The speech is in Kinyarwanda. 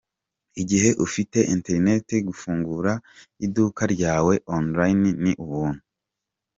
Igihe ufite internet, gufungura iduka ryawe online ni ubuntu.